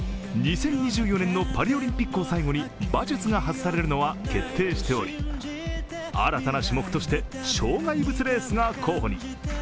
２０２４年のパリオリンピックを最後に馬術が外されるのは決定しており、新たな種目として障害物レースが候補に。